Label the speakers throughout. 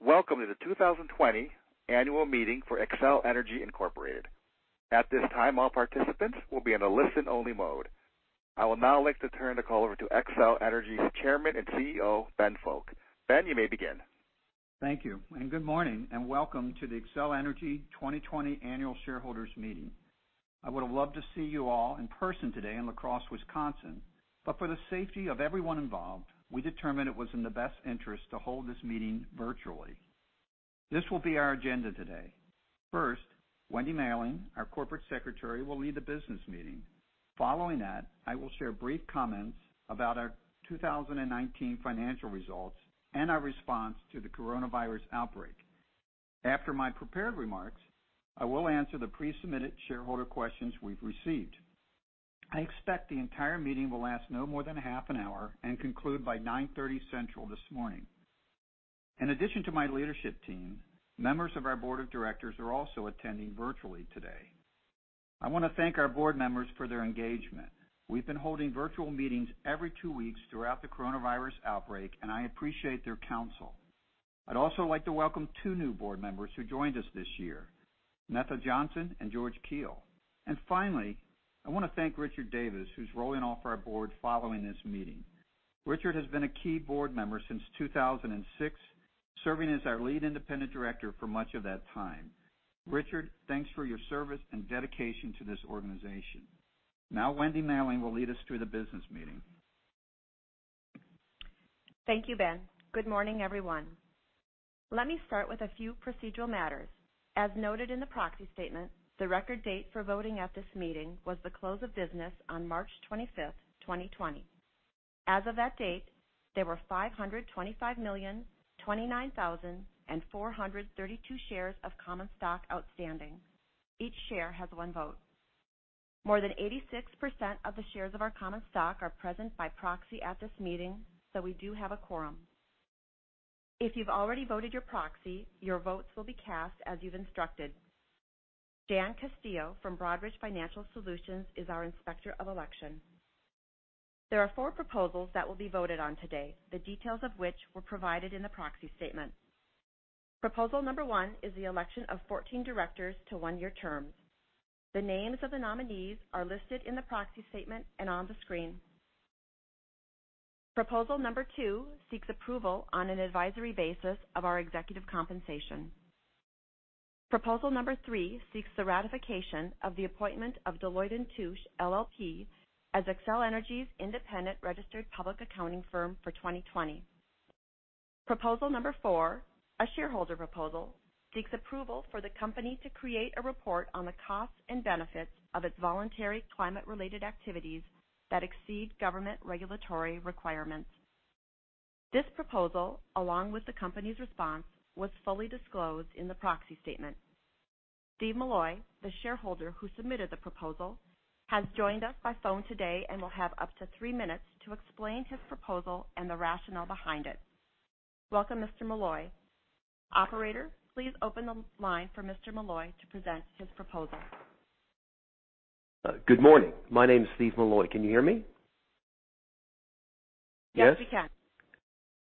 Speaker 1: Welcome to the 2020 annual meeting for Xcel Energy Incorporated. At this time, all participants will be in a listen-only mode. I will now like to turn the call over to Xcel Energy's Chairman and CEO, Ben Fowke. Ben, you may begin.
Speaker 2: Thank you, good morning, and welcome to the Xcel Energy 2020 Annual Shareholders Meeting. I would've loved to see you all in person today in La Crosse, Wisconsin, for the safety of everyone involved, we determined it was in the best interest to hold this meeting virtually. This will be our agenda today. First, Wendy Mahling, our Corporate Secretary, will lead the business meeting. Following that, I will share brief comments about our 2019 financial results and our response to the coronavirus outbreak. After my prepared remarks, I will answer the pre-submitted shareholder questions we've received. I expect the entire meeting will last no more than a half an hour and conclude by 9:30 Central this morning. In addition to my leadership team, members of our board of directors are also attending virtually today. I want to thank our board members for their engagement. We've been holding virtual meetings every two weeks throughout the coronavirus outbreak, and I appreciate their counsel. I'd also like to welcome two new board members who joined us this year, Netha Johnson and George Kehl. Finally, I want to thank Richard Davis, who's rolling off our board following this meeting. Richard has been a key board member since 2006, serving as our lead independent director for much of that time. Richard, thanks for your service and dedication to this organization. Now Wendy Mahling will lead us through the business meeting.
Speaker 3: Thank you, Ben. Good morning, everyone. Let me start with a few procedural matters. As noted in the proxy statement, the record date for voting at this meeting was the close of business on March 25th, 2020. As of that date, there were 525,029,432 shares of common stock outstanding. Each share has one vote. More than 86% of the shares of our common stock are present by proxy at this meeting. We do have a quorum. If you've already voted your proxy, your votes will be cast as you've instructed. Dan Castillo from Broadridge Financial Solutions is our Inspector of Election. There are four proposals that will be voted on today, the details of which were provided in the proxy statement. Proposal number one is the election of 14 directors to one-year terms. The names of the nominees are listed in the proxy statement and on the screen. Proposal number two seeks approval on an advisory basis of our executive compensation. Proposal number three seeks the ratification of the appointment of Deloitte & Touche LLP as Xcel Energy's independent registered public accounting firm for 2020. Proposal number four, a shareholder proposal, seeks approval for the company to create a report on the costs and benefits of its voluntary climate-related activities that exceed government regulatory requirements. This proposal, along with the company's response, was fully disclosed in the proxy statement. Steve Milloy, the shareholder who submitted the proposal, has joined us by phone today and will have up to three minutes to explain his proposal and the rationale behind it. Welcome, Mr. Milloy. Operator, please open the line for Mr. Milloy to present his proposal.
Speaker 4: Good morning. My name is Steve Milloy. Can you hear me? Yes?
Speaker 3: Yes, we can.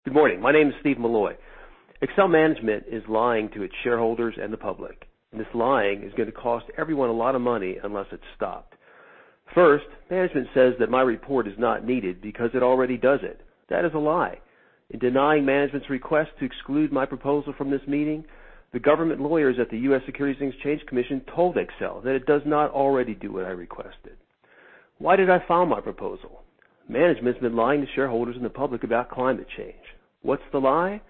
Speaker 4: Good morning. My name is Steve Milloy. Xcel management is lying to its shareholders and the public, and this lying is going to cost everyone a lot of money unless it's stopped. First, management says that my report is not needed because it already does it. That is a lie. In denying management's request to exclude my proposal from this meeting, the government lawyers at the US Securities and Exchange Commission told Xcel that it does not already do what I requested. Why did I file my proposal? Management's been lying to shareholders and the public about climate change. What's the lie?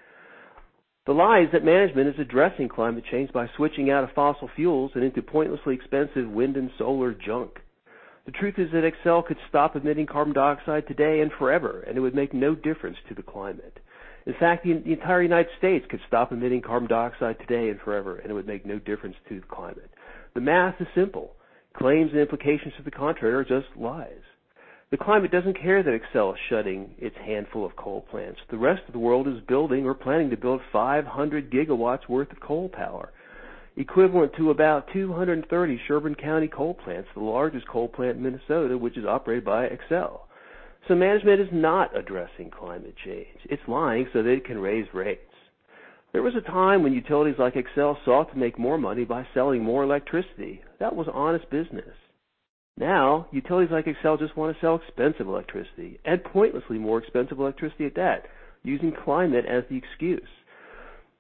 Speaker 4: The lie is that management is addressing climate change by switching out of fossil fuels and into pointlessly expensive wind and solar junk. The truth is that Xcel could stop emitting carbon dioxide today and forever, and it would make no difference to the climate. In fact, the entire United States could stop emitting carbon dioxide today and forever, it would make no difference to the climate. The math is simple. Claims and implications to the contrary are just lies. The climate doesn't care that Xcel is shutting its handful of coal plants. The rest of the world is building or planning to build 500 GW worth of coal power, equivalent to about 230 Sherburne County coal plants, the largest coal plant in Minnesota, which is operated by Xcel. Management is not addressing climate change. It's lying so that it can raise rates. There was a time when utilities like Xcel sought to make more money by selling more electricity. That was honest business. Now, utilities like Xcel just want to sell expensive electricity, pointlessly more expensive electricity at that, using climate as the excuse.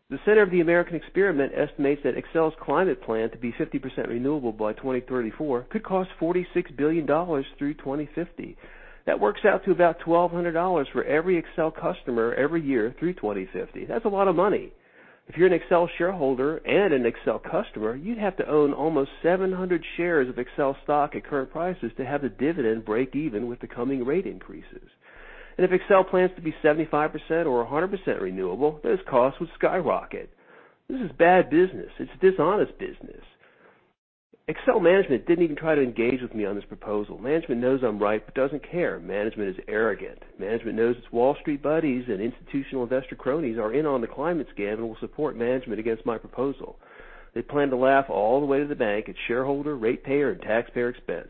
Speaker 4: The Center of the American Experiment estimates that Xcel's climate plan to be 50% renewable by 2034 could cost $46 billion through 2050. That works out to about $1,200 for every Xcel customer every year through 2050. That's a lot of money. If you're an Xcel shareholder and an Xcel customer, you'd have to own almost 700 shares of Xcel stock at current prices to have the dividend break even with the coming rate increases. If Xcel plans to be 75% or 100% renewable, those costs would skyrocket. This is bad business. It's dishonest business. Xcel management didn't even try to engage with me on this proposal. Management knows I'm right but doesn't care. Management is arrogant. Management knows its Wall Street buddies and institutional investor cronies are in on the climate scam and will support management against my proposal. They plan to laugh all the way to the bank at shareholder, ratepayer, and taxpayer expense.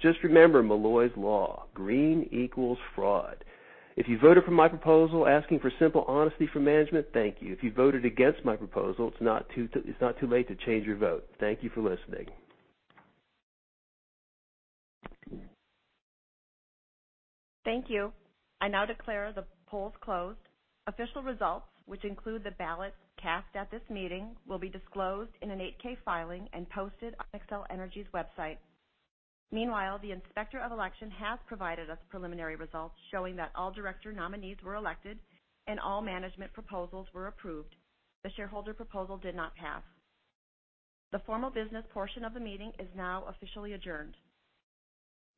Speaker 4: Just remember Milloy's Law, green equals fraud. If you voted for my proposal asking for simple honesty from management, thank you. If you voted against my proposal, it's not too late to change your vote. Thank you for listening.
Speaker 3: Thank you. I now declare the polls closed. Official results, which include the ballots cast at this meeting, will be disclosed in an 8-K filing and posted on Xcel Energy's website. Meanwhile, the Inspector of Election has provided us preliminary results showing that all director nominees were elected and all management proposals were approved. The shareholder proposal did not pass. The formal business portion of the meeting is now officially adjourned.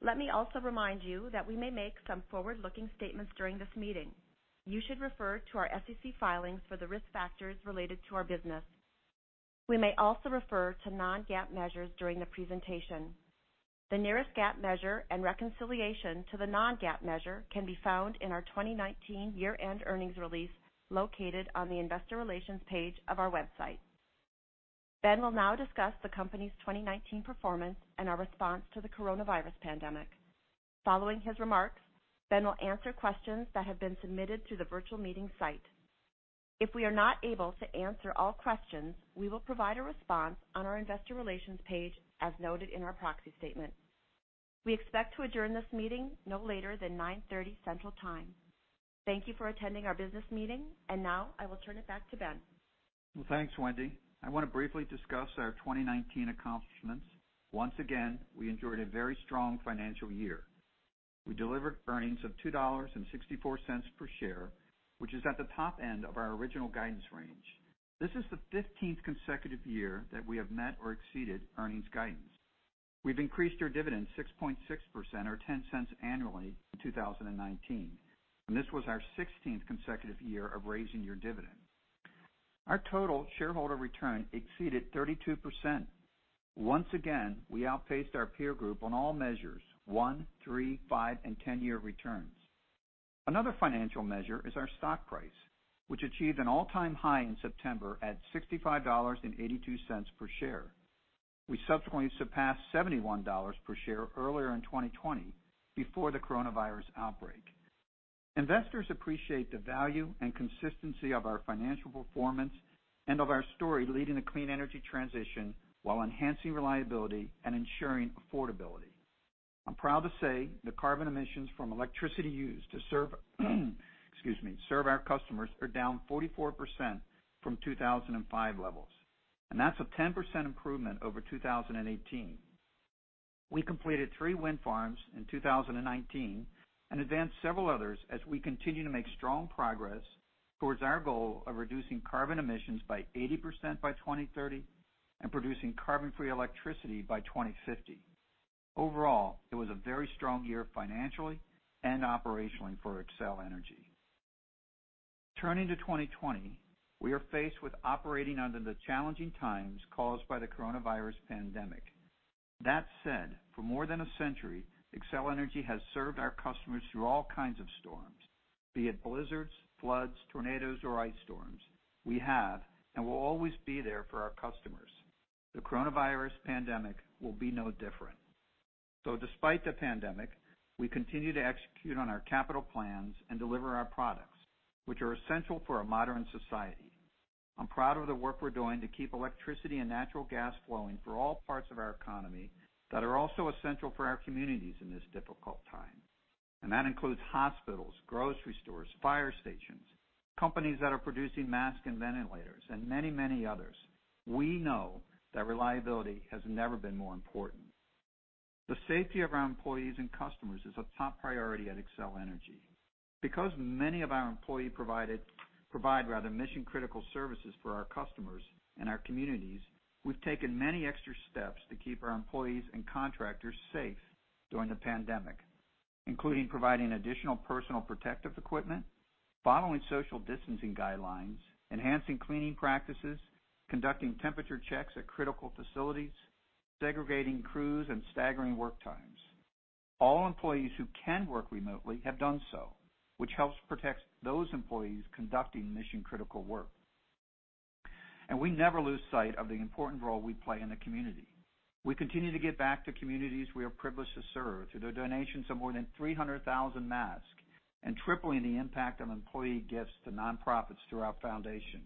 Speaker 3: Let me also remind you that we may make some forward-looking statements during this meeting. You should refer to our SEC filings for the risk factors related to our business. We may also refer to non-GAAP measures during the presentation. The nearest GAAP measure and reconciliation to the non-GAAP measure can be found in our 2019 year-end earnings release located on the investor relations page of our website. Ben will now discuss the company's 2019 performance and our response to the coronavirus pandemic. Following his remarks, Ben will answer questions that have been submitted through the virtual meeting site. If we are not able to answer all questions, we will provide a response on our investor relations page as noted in our proxy statement. We expect to adjourn this meeting no later than 9:30 A.M. Central time. Thank you for attending our business meeting, and now I will turn it back to Ben.
Speaker 2: Well, thanks, Wendy. I want to briefly discuss our 2019 accomplishments. Once again, we enjoyed a very strong financial year. We delivered earnings of $2.64 per share, which is at the top end of our original guidance range. This is the 15th consecutive year that we have met or exceeded earnings guidance. We've increased our dividend 6.6% or $0.10 annually in 2019, and this was our 16th consecutive year of raising your dividend. Our total shareholder return exceeded 32%. Once again, we outpaced our peer group on all measures, one, three, five, and 10-year returns. Another financial measure is our stock price, which achieved an all-time high in September at $65.82 per share. We subsequently surpassed $71 per share earlier in 2020 before the coronavirus outbreak. Investors appreciate the value and consistency of our financial performance and of our story leading the clean energy transition while enhancing reliability and ensuring affordability. I'm proud to say the carbon emissions from electricity used to serve, excuse me, serve our customers are down 44% from 2005 levels, and that's a 10% improvement over 2018. We completed three wind farms in 2019 and advanced several others as we continue to make strong progress towards our goal of reducing carbon emissions by 80% by 2030 and producing carbon-free electricity by 2050. Overall, it was a very strong year financially and operationally for Xcel Energy. Turning to 2020, we are faced with operating under the challenging times caused by the coronavirus pandemic. That said, for more than a century, Xcel Energy has served our customers through all kinds of storms. Be it blizzards, floods, tornadoes, or ice storms, we have and will always be there for our customers. The coronavirus pandemic will be no different. Despite the pandemic, we continue to execute on our capital plans and deliver our products, which are essential for a modern society. I'm proud of the work we're doing to keep electricity and natural gas flowing for all parts of our economy that are also essential for our communities in this difficult time. That includes hospitals, grocery stores, fire stations, companies that are producing masks and ventilators, and many, many others. We know that reliability has never been more important. The safety of our employees and customers is a top priority at Xcel Energy. Because many of our provide rather mission-critical services for our customers and our communities, we've taken many extra steps to keep our employees and contractors safe during the pandemic, including providing additional personal protective equipment, following social distancing guidelines, enhancing cleaning practices, conducting temperature checks at critical facilities, segregating crews, and staggering work times. All employees who can work remotely have done so, which helps protect those employees conducting mission-critical work. We never lose sight of the important role we play in the community. We continue to give back to communities we are privileged to serve through the donations of more than 300,000 masks and tripling the impact of employee gifts to nonprofits through our foundation.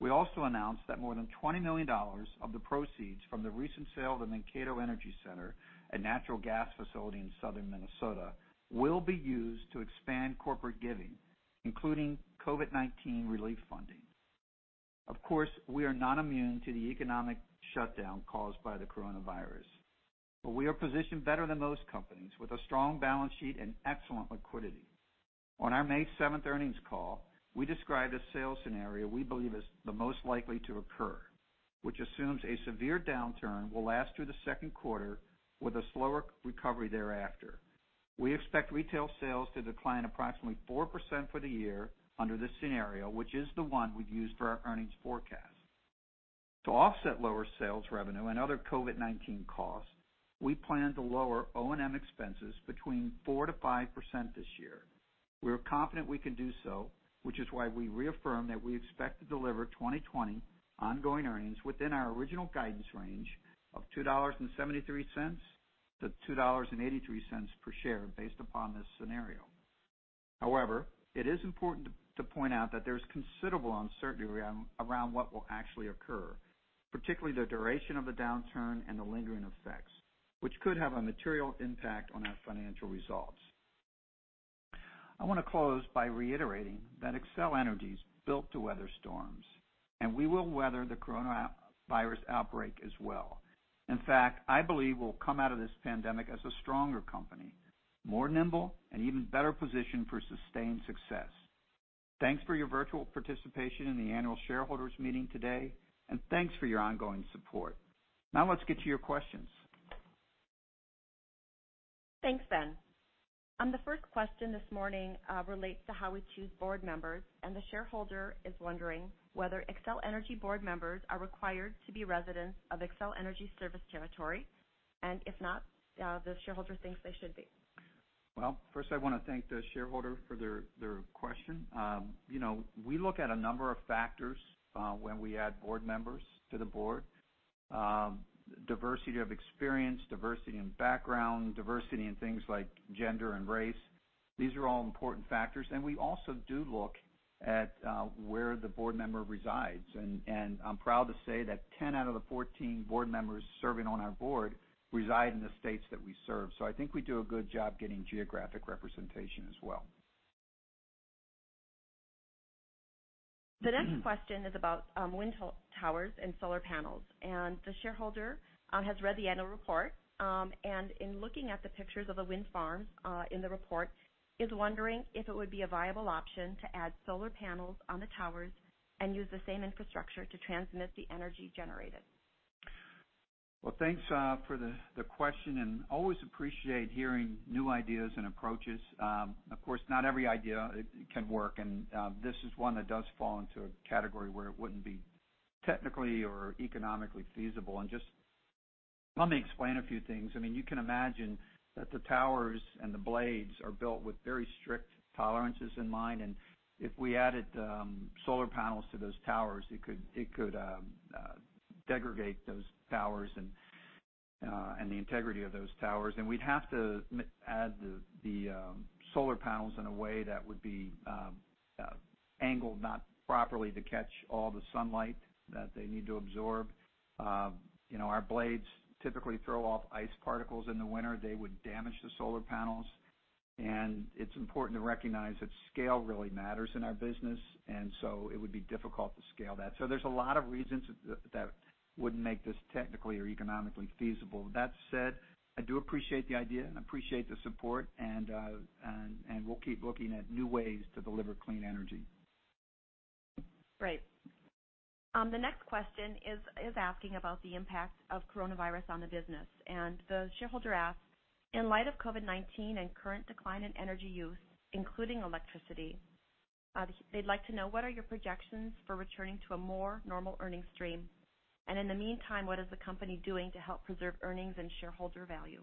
Speaker 2: We also announced that more than $20 million of the proceeds from the recent sale of the Mankato Energy Center, a natural gas facility in southern Minnesota, will be used to expand corporate giving, including COVID-19 relief funding. Of course, we are not immune to the economic shutdown caused by the coronavirus, but we are positioned better than most companies with a strong balance sheet and excellent liquidity. On our May 7th earnings call, we described a sales scenario we believe is the most likely to occur, which assumes a severe downturn will last through the second quarter with a slower recovery thereafter. We expect retail sales to decline approximately 4% for the year under this scenario, which is the one we've used for our earnings forecast. To offset lower sales revenue and other COVID-19 costs, we plan to lower O&M expenses between 4%-5% this year. We're confident we can do so, which is why we reaffirm that we expect to deliver 2020 ongoing earnings within our original guidance range of $2.73-$2.83 per share based upon this scenario. It is important to point out that there's considerable uncertainty around what will actually occur, particularly the duration of the downturn and the lingering effects, which could have a material impact on our financial results. I want to close by reiterating that Xcel Energy's built to weather storms, and we will weather the coronavirus outbreak as well. In fact, I believe we'll come out of this pandemic as a stronger company, more nimble, and even better positioned for sustained success. Thanks for your virtual participation in the annual shareholders meeting today. Thanks for your ongoing support. Now let's get to your questions.
Speaker 3: Thanks, Ben. The first question this morning relates to how we choose board members, and the shareholder is wondering whether Xcel Energy board members are required to be residents of Xcel Energy service territory. If not, the shareholder thinks they should be.
Speaker 2: Well, first, I want to thank the shareholder for their question. We look at a number of factors when we add board members to the board. Diversity of experience, diversity in background, diversity in things like gender and race. These are all important factors, and we also do look at where the board member resides. I'm proud to say that 10 out of the 14 board members serving on our board reside in the states that we serve. I think we do a good job getting geographic representation as well.
Speaker 3: The next question is about wind towers and solar panels. The shareholder has read the annual report. In looking at the pictures of a wind farm in the report, the shareholder is wondering if it would be a viable option to add solar panels on the towers and use the same infrastructure to transmit the energy generated.
Speaker 2: Thanks for the question, and always appreciate hearing new ideas and approaches. Of course, not every idea can work, and this is one that does fall into a category where it wouldn't be technically or economically feasible. Just let me explain a few things. You can imagine that the towers and the blades are built with very strict tolerances in mind, and if we added solar panels to those towers, it could degrade those towers and the integrity of those towers. We'd have to add the solar panels in a way that would be angled not properly to catch all the sunlight that they need to absorb. Our blades typically throw off ice particles in the winter. They would damage the solar panels. It's important to recognize that scale really matters in our business, and so it would be difficult to scale that. There's a lot of reasons that wouldn't make this technically or economically feasible. That said, I do appreciate the idea, and I appreciate the support, and we'll keep looking at new ways to deliver clean energy.
Speaker 3: Great. The next question is asking about the impact of coronavirus on the business, and the shareholder asks, in light of COVID-19 and current decline in energy use, including electricity, they'd like to know what are your projections for returning to a more normal earnings stream? In the meantime, what is the company doing to help preserve earnings and shareholder value?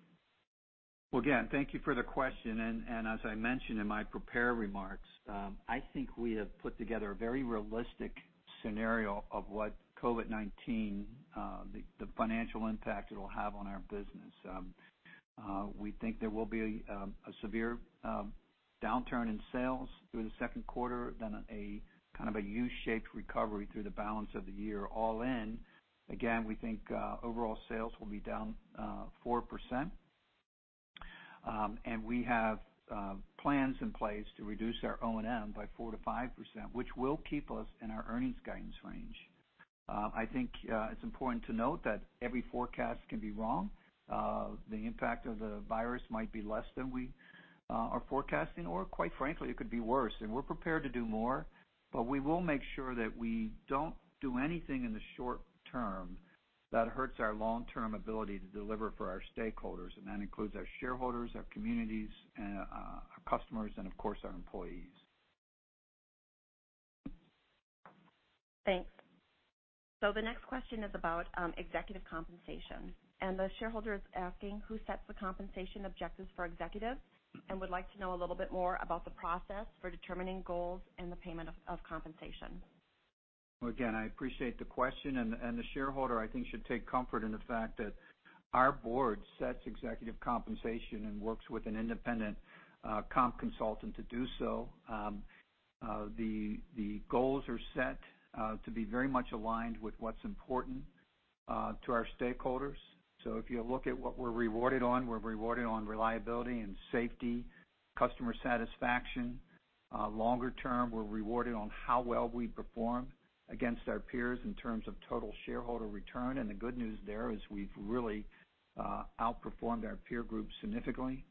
Speaker 2: Well, again, thank you for the question. As I mentioned in my prepared remarks, I think we have put together a very realistic scenario of what COVID-19, the financial impact it'll have on our business. We think there will be a severe downturn in sales through the second quarter, then a kind of a U-shaped recovery through the balance of the year. All in, again, we think overall sales will be down 4%, and we have plans in place to reduce our O&M by 4%-5%, which will keep us in our earnings guidance range. I think it's important to note that every forecast can be wrong. The impact of the virus might be less than we are forecasting, or quite frankly, it could be worse, and we're prepared to do more. We will make sure that we don't do anything in the short term that hurts our long-term ability to deliver for our stakeholders. That includes our shareholders, our communities, our customers, and of course, our employees.
Speaker 3: Thanks. The next question is about executive compensation. The shareholder is asking who sets the compensation objectives for executives and would like to know a little bit more about the process for determining goals and the payment of compensation.
Speaker 2: I appreciate the question. The shareholder, I think, should take comfort in the fact that our board sets executive compensation and works with an independent comp consultant to do so. The goals are set to be very much aligned with what's important to our stakeholders. If you look at what we're rewarded on, we're rewarded on reliability and safety, customer satisfaction. Longer term, we're rewarded on how well we perform against our peers in terms of total shareholder return. The good news there is we've really outperformed our peer group significantly.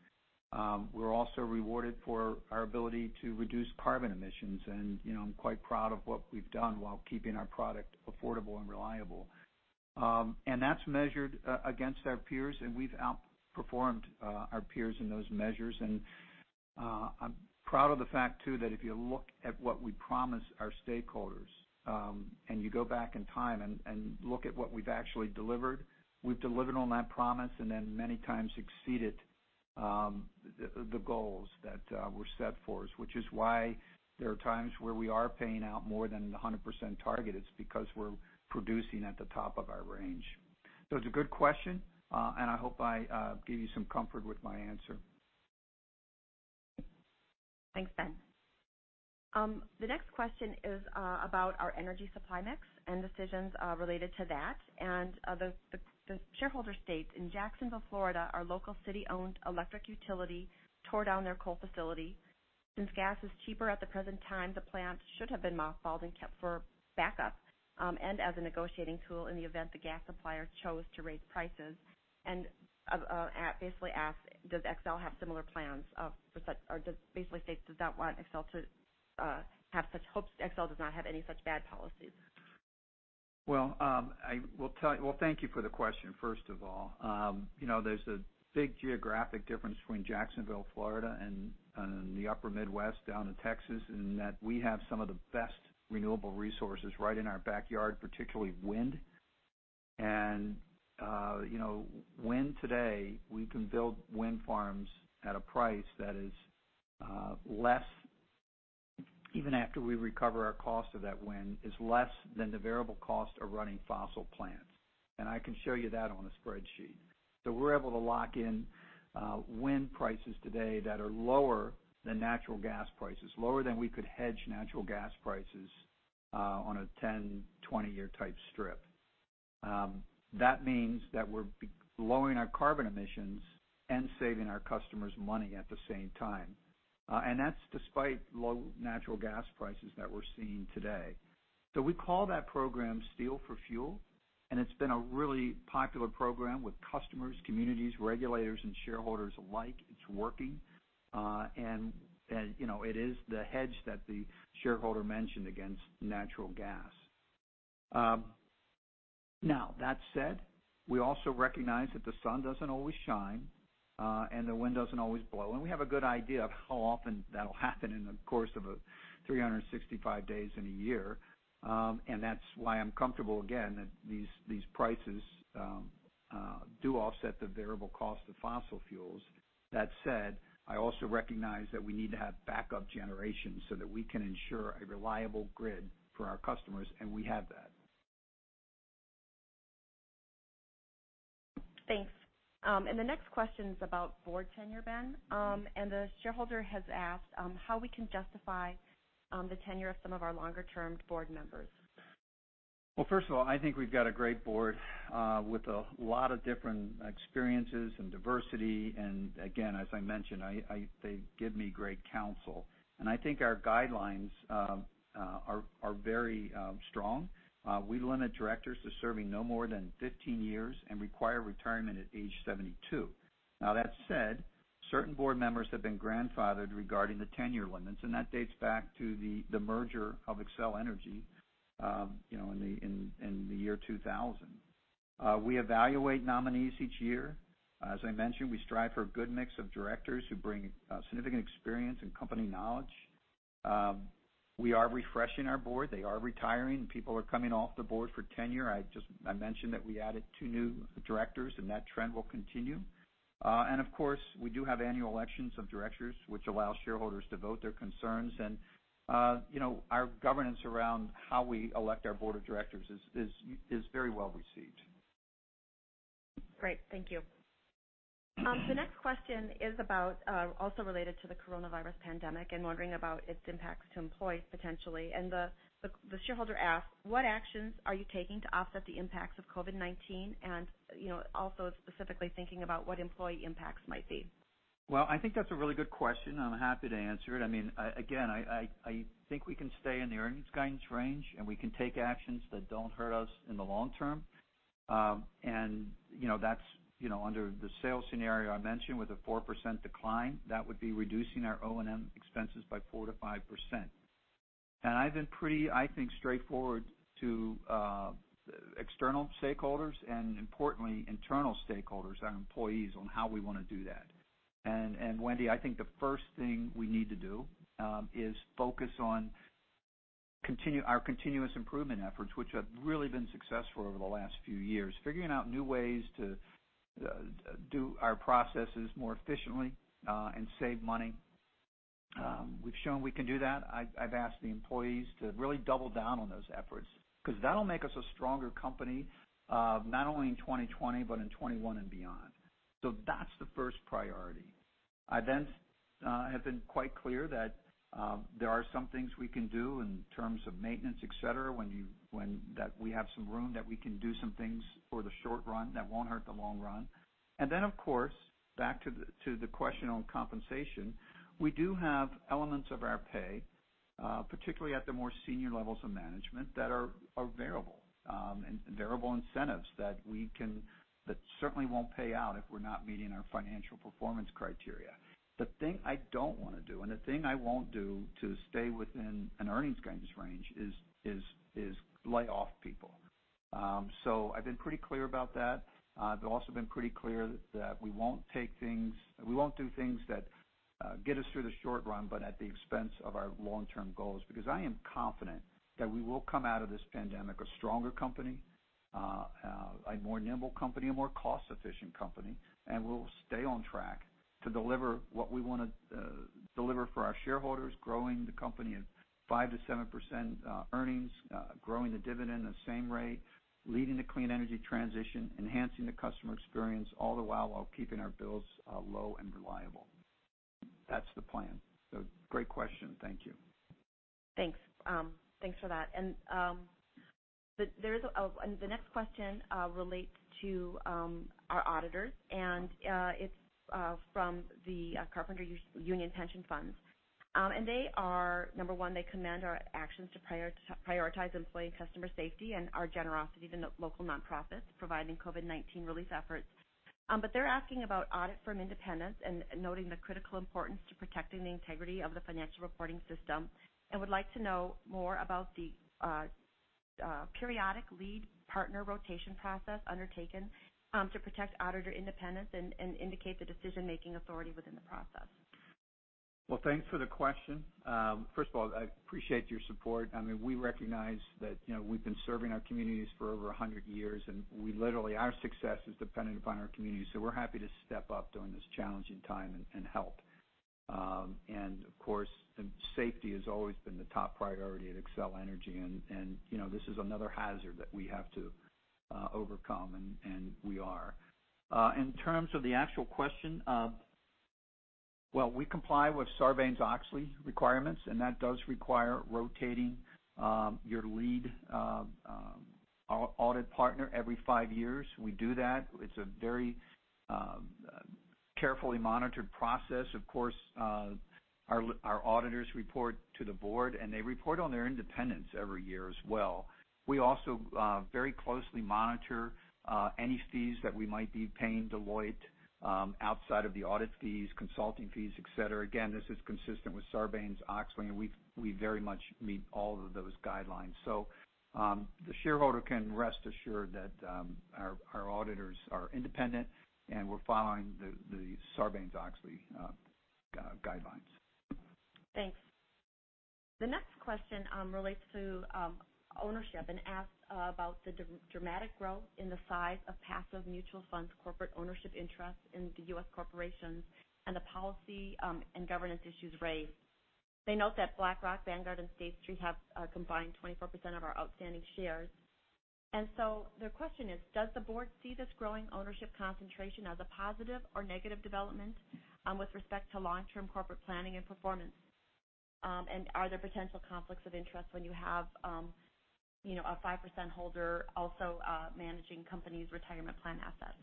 Speaker 2: We're also rewarded for our ability to reduce carbon emissions, and I'm quite proud of what we've done while keeping our product affordable and reliable. That's measured against our peers, and we've outperformed our peers in those measures. I'm proud of the fact too, that if you look at what we promise our stakeholders, and you go back in time and look at what we've actually delivered, we've delivered on that promise, and then many times exceeded the goals that were set for us, which is why there are times where we are paying out more than the 100% target. It's because we're producing at the top of our range. It's a good question, and I hope I gave you some comfort with my answer.
Speaker 3: Thanks, Ben. The next question is about our energy supply mix and decisions related to that. The shareholder states, in Jacksonville, Florida, our local city-owned electric utility tore down their coal facility. Since gas is cheaper at the present time, the plant should have been mothballed and kept for backup, and as a negotiating tool in the event the gas supplier chose to raise prices. Basically asks, does Xcel have similar plans, or basically states does not want Xcel to have such hopes. Xcel does not have any such bad policies.
Speaker 2: Well, thank you for the question, first of all. There's a big geographic difference between Jacksonville, Florida, and the upper Midwest down to Texas, in that we have some of the best renewable resources right in our backyard, particularly wind. Wind today, we can build wind farms at a price that is less, even after we recover our cost of that wind, is less than the variable cost of running fossil plants. I can show you that on a spreadsheet. We're able to lock in wind prices today that are lower than natural gas prices, lower than we could hedge natural gas prices on a 10, 20-year type strip. That means that we're lowering our carbon emissions and saving our customers money at the same time. That's despite low natural gas prices that we're seeing today. We call that program Steel for Fuel, and it's been a really popular program with customers, communities, regulators, and shareholders alike. It's working. It is the hedge that the shareholder mentioned against natural gas. Now, that said, we also recognize that the sun doesn't always shine, and the wind doesn't always blow. We have a good idea of how often that'll happen in the course of 365 days in a year. That's why I'm comfortable again, that these prices do offset the variable cost of fossil fuels. That said, I also recognize that we need to have backup generations so that we can ensure a reliable grid for our customers, and we have that.
Speaker 3: Thanks. The next question is about board tenure, Ben. The shareholder has asked how we can justify the tenure of some of our longer-term board members.
Speaker 2: Well, first of all, I think we've got a great board, with a lot of different experiences and diversity. Again, as I mentioned, they give me great counsel. I think our guidelines are very strong. We limit directors to serving no more than 15 years and require retirement at age 72. Now, that said, certain board members have been grandfathered regarding the tenure limits, and that dates back to the merger of Xcel Energy in the year 2000. We evaluate nominees each year. As I mentioned, we strive for a good mix of directors who bring significant experience and company knowledge. We are refreshing our board. They are retiring. People are coming off the board for tenure. I mentioned that we added two new directors, and that trend will continue. Of course, we do have annual elections of directors, which allows shareholders to vote their concerns. Our governance around how we elect our board of directors is very well received.
Speaker 3: Great. Thank you. The next question is about, also related to the coronavirus pandemic and wondering about its impacts to employees, potentially. The shareholder asks, what actions are you taking to offset the impacts of COVID-19? Also specifically thinking about what employee impacts might be.
Speaker 2: Well, I think that's a really good question, and I'm happy to answer it. I think we can stay in the earnings guidance range, and we can take actions that don't hurt us in the long term. That's under the sales scenario I mentioned with a 4% decline, that would be reducing our O&M expenses by 4%-5%. I've been pretty, I think, straightforward to external stakeholders and importantly, internal stakeholders, our employees, on how we want to do that. Wendy, I think the first thing we need to do is focus on our continuous improvement efforts, which have really been successful over the last few years. Figuring out new ways to do our processes more efficiently, and save money. We've shown we can do that. I've asked the employees to really double down on those efforts because that'll make us a stronger company, not only in 2020, but in 2021 and beyond. That's the first priority. I then have been quite clear that there are some things we can do in terms of maintenance, et cetera, that we have some room that we can do some things for the short run that won't hurt the long run. Of course, back to the question on compensation, we do have elements of our pay, particularly at the more senior levels of management, that are variable. Variable incentives that certainly won't pay out if we're not meeting our financial performance criteria. The thing I don't want to do, and the thing I won't do to stay within an earnings guidance range is lay off people. I've been pretty clear about that. I've also been pretty clear that we won't do things that get us through the short run, but at the expense of our long-term goals. I am confident that we will come out of this pandemic a stronger company, a more nimble company, a more cost-efficient company, and we'll stay on track to deliver what we want to deliver for our shareholders, growing the company in 5%-7% earnings, growing the dividend the same rate, leading the clean energy transition, enhancing the customer experience, all the while keeping our bills low and reliable. That's the plan. Great question. Thank you.
Speaker 3: Thanks. Thanks for that. The next question relates to our auditors, and it's from the Carpenter Union Pension Funds. They are, number one, they commend our actions to prioritize employee and customer safety and our generosity to local nonprofits providing COVID-19 relief efforts. They're asking about audit firm independence and noting the critical importance to protecting the integrity of the financial reporting system and would like to know more about the periodic lead partner rotation process undertaken to protect auditor independence and indicate the decision-making authority within the process.
Speaker 2: Thanks for the question. First of all, I appreciate your support. We recognize that we've been serving our communities for over 100 years, and our success is dependent upon our community, so we're happy to step up during this challenging time and help. Of course, safety has always been the top priority at Xcel Energy, and this is another hazard that we have to overcome, and we are. In terms of the actual question, we comply with Sarbanes-Oxley requirements, and that does require rotating your lead audit partner every five years. We do that. It's a very carefully monitored process. Of course, our auditors report to the board, and they report on their independence every year as well. We also very closely monitor any fees that we might be paying Deloitte outside of the audit fees, consulting fees, et cetera. This is consistent with Sarbanes-Oxley, and we very much meet all of those guidelines. The shareholder can rest assured that our auditors are independent, and we're following the Sarbanes-Oxley guidelines.
Speaker 3: Thanks. The next question relates to ownership and asks about the dramatic growth in the size of passive mutual funds, corporate ownership interests in the U.S. corporations, and the policy and governance issues raised. They note that BlackRock, Vanguard, and State Street have a combined 24% of our outstanding shares. Their question is, does the board see this growing ownership concentration as a positive or negative development with respect to long-term corporate planning and performance? Are there potential conflicts of interest when you have a 5% holder also managing companies' retirement plan assets?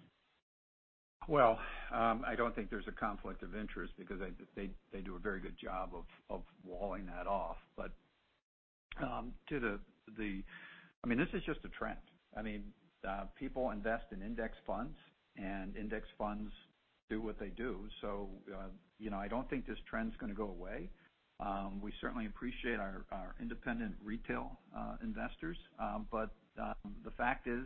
Speaker 2: I don't think there's a conflict of interest because they do a very good job of walling that off. This is just a trend. People invest in index funds, and index funds do what they do. I don't think this trend's going to go away. We certainly appreciate our independent retail investors, but the fact is,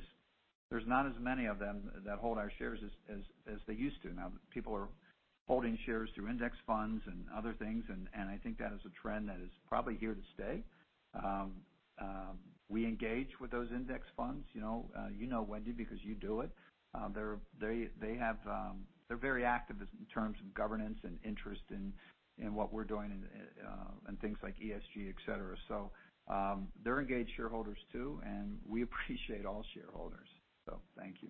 Speaker 2: there's not as many of them that hold our shares as they used to. Now, people are holding shares through index funds and other things, and I think that is a trend that is probably here to stay. We engage with those index funds. You know, Wendy, because you do it. They're very active in terms of governance and interest in what we're doing in things like ESG, et cetera. They're engaged shareholders too, and we appreciate all shareholders. Thank you.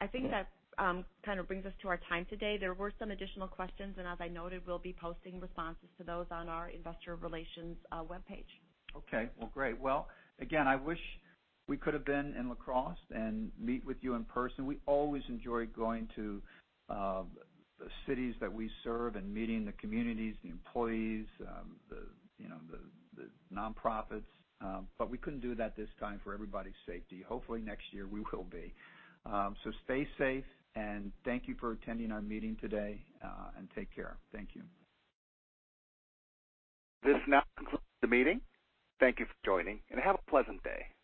Speaker 3: I think that kind of brings us to our time today. There were some additional questions, and as I noted, we'll be posting responses to those on our investor relations webpage.
Speaker 2: Okay. Well, great. Well, again, I wish we could have been in La Crosse and meet with you in person. We always enjoy going to the cities that we serve and meeting the communities, the employees, the nonprofits. We couldn't do that this time for everybody's safety. Hopefully next year we will be. Stay safe, and thank you for attending our meeting today, and take care. Thank you.
Speaker 1: This now concludes the meeting. Thank you for joining, and have a pleasant day.